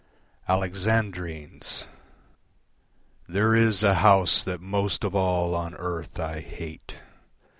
Alexandrines There is a house that most of all on earth I hate.